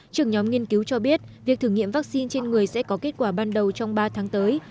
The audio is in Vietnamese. trường nhóm nghiên cứu cho biết việc thử nghiệm vắc xin trên người sẽ có kết quả ban đầu trong ba tháng tới